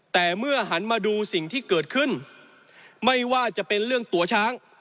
แต่เมื่อหันมาดูสิ่งที่เกิดขึ้นไม่ว่าจะเป็นเรื่องตัวช้าง